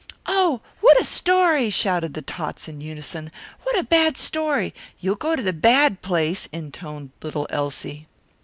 "Oh, what a story!" shouted the tots in unison. "What a bad story! You'll go to the bad place," intoned little Elsie.